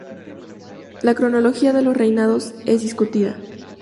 La cronología de los reinados es discutida.